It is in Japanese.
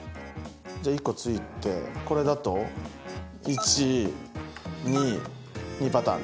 じゃあ１個ついてこれだと１２２パターンね。